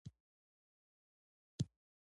له غټو سترګو یي ګڼ باڼه راتاو وو